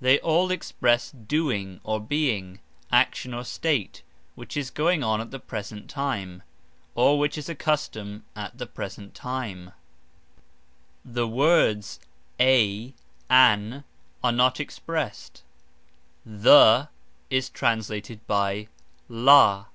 They all express doing or being (action or state), which is going on at the present time, or which is a custom at the present time. The words "a," "an," are not expressed; "the" is translated by "la".